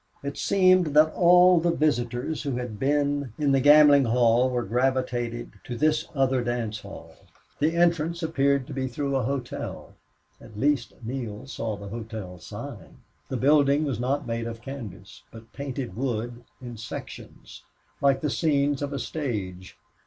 It seemed that all the visitors who had been in the gambling hall had gravitated to this other dance hall. The entrance appeared to be through a hotel. At least Neale saw the hotel sign. The building was not made of canvas, but painted wood in sections, like the scenes of a stage.